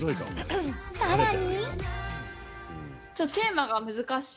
さらに。